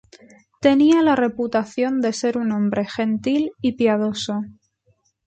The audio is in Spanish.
Tenía la reputación de ser un hombre gentil y piadoso.